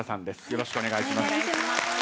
よろしくお願いします。